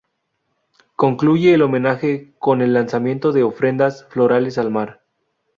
Concluye el homenaje con el lanzamiento de ofrendas florales al mar.